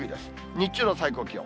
日中の最高気温。